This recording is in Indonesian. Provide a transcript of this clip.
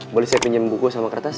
boleh saya pinjam buku sama kertas